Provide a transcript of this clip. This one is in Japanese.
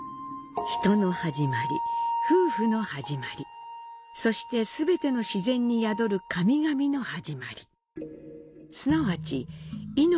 人の始まり、夫婦の始まり、そして全ての自然に宿る神々の始まり。